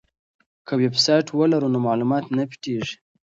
که ویبسایټ ولرو نو معلومات نه پټیږي.